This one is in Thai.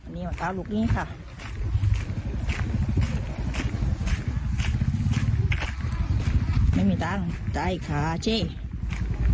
นี่ว่าตึกหนี้ส่ะไม่มีทางใส่ค่ายเช่จะหวัดกี่นี้ไหม